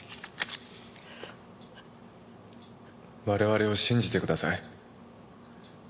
我々を信じてください。